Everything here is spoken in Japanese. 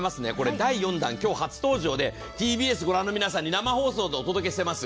第４弾、今日初登場でＴＢＳ御覧の皆さんに生放送でお届けしています。